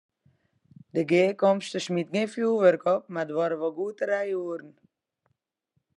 De gearkomste smiet gjin fjoerwurk op, mar duorre wol goed trije oeren.